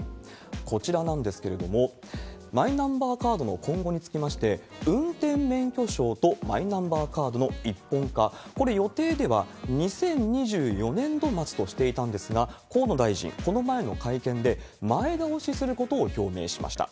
こちらなんですけれども、マイナンバーカードの今後につきまして、運転免許証とマイナンバーカードの一本化、これ予定では２０２４年度末としていたんですが、河野大臣、この前の会見で、前倒しすることを表明しました。